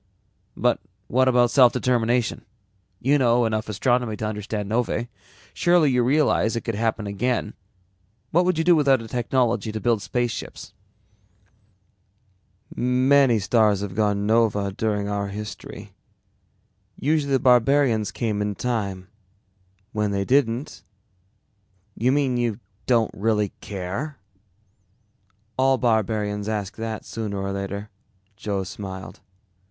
"But what about self determination? You know enough astronomy to understand novae. Surely you realize it could happen again. What would you do without a technology to build spaceships?" "Many stars have gone nova during our history. Usually the barbarians came in time. When they didn't " "You mean you don't really care?" "All barbarians ask that sooner or later," Joe smiled.